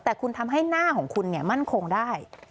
แต่คุณทำให้หน้าของคุณมั่นคงได้